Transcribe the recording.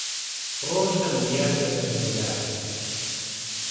ڕۆژ نهبوو یار به لهنجهولار